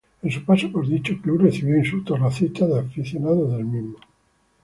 En su paso por dicho club recibió insultos racistas de aficionados del mismo.